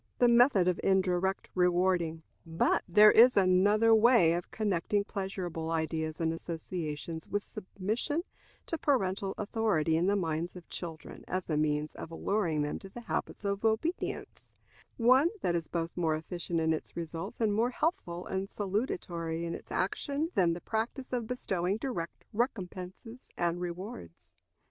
The Method of Indirect Rewarding. But there is another way of connecting pleasurable ideas and associations with submission to parental authority in the minds of children, as a means of alluring them to the habit of obedience one that is both more efficient in its results and more healthful and salutary in its action than the practice of bestowing direct recompenses and rewards.